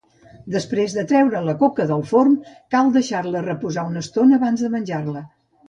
Després de treure la coca del forn cal deixar-la reposar una estona abans de menjar-la.